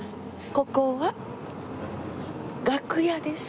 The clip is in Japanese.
「ここは楽屋です」。